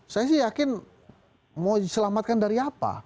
saya sih yakin mau diselamatkan dari apa